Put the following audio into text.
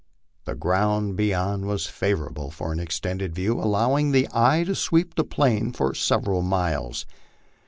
The ground beyond was favorable for an extended view, allowing the eye to sweep the plain for several miles.